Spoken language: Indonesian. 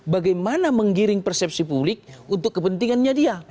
bagaimana menggiring persepsi publik untuk kepentingannya dia